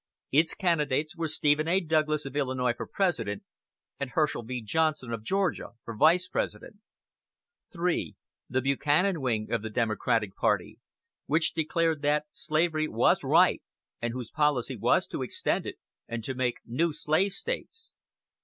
Its candidates were Stephen A. Douglas of Illinois for President, and Herschel V. Johnson of Georgia for Vice President. 3. The Buchanan wing of the Democratic party, which declared that slavery was right, and whose policy was to extend it, and to make new slave States.